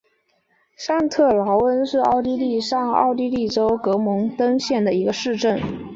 上特劳恩是奥地利上奥地利州格蒙登县的一个市镇。